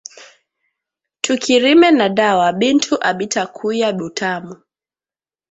Tuki rime na dawa bintu abitakuya butamu